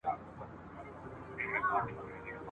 شګوفو به اوربلونه نازولای !.